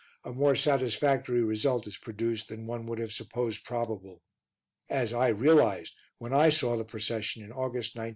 a more satisfactory result is produced than one would have supposed probable, as I realized when I saw the procession in August, 1901.